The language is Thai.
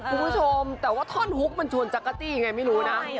คุณผู้ชมแต่ว่าท่อนฮุกมันชวนจักรตี้ไงไม่รู้นะ